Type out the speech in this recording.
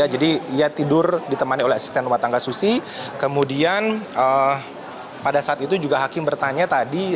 jadi ia tidur ditemani oleh asisten rumah tangga susi kemudian pada saat itu juga hakim bertanya tadi